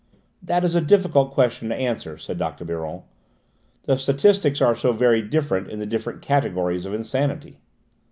"That is a difficult question to answer," said Dr. Biron. "The statistics are so very different in the different categories of insanity."